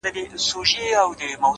علم د انسان د فکر رڼا ده’